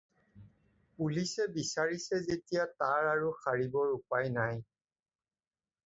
পুলিচে বিচাৰিছে যেতিয়া তাৰ আৰু সাৰিবৰ উপায় নাই।